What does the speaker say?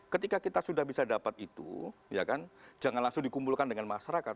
ketika kita sudah bisa dapat itu jangan langsung dikumpulkan dengan masyarakat